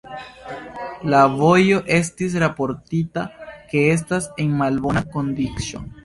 La vojo estis raportita ke estas en malbona kondiĉo.